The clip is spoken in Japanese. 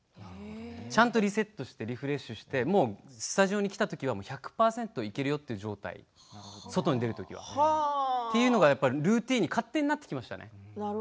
ちゃんとリセットしてリフレッシュさせてスタジオに来たとき１００％いけるよという状態外に出るときは、というのが勝手にルーティンになってきましたね。